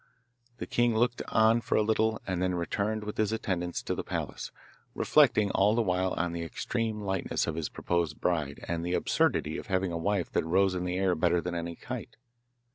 The king looked on for a little, and then returned with his attendants to the palace, reflecting all the while on the extreme lightness of his proposed bride and the absurdity of having a wife that rose in the air better than any kite.